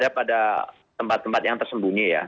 gak ada tempat tempat yang tersembunyi ya